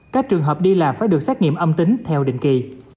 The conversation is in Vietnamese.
các trường hợp đi làm phải được xét nghiệm âm tính theo định kỳ